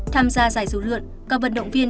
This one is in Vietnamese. tham gia giải du lượn